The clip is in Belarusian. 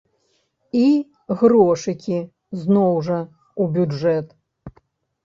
І грошыкі, зноў жа, у бюджэт.